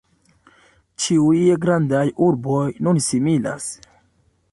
Ĉiuj grandaj urboj nun similas.